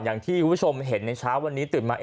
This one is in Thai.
อย่างที่คุณผู้ชมเห็นในเช้าวันนี้ตื่นมา